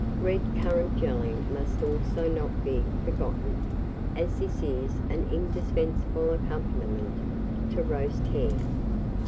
Red currant jelly must also not be forgotten, as this is an indispensable accompaniment to roast hare.